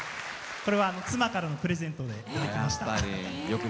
これは妻からのプレゼントでいただきました。